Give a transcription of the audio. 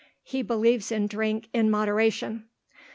He believes in drink in moderation.